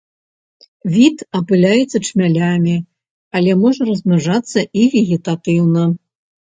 Від апыляецца чмялямі, але можа размнажацца і вегетатыўна.